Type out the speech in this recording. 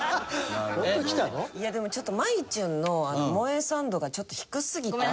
いやでもちょっとまいちゅんのもえさん度がちょっと低すぎて。